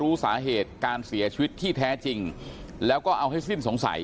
รู้สาเหตุการเสียชีวิตที่แท้จริงแล้วก็เอาให้สิ้นสงสัย